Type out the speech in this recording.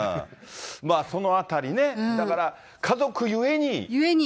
そのあたりね、だから、家族ゆえゆえに。